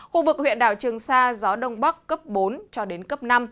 khu vực huyện đảo trường sa gió đông bắc cấp bốn cho đến cấp năm